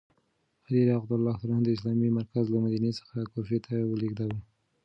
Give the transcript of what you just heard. علي رض د اسلامي مرکز له مدینې څخه کوفې ته ولیږداوه.